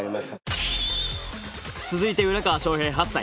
続いて浦川翔平８歳。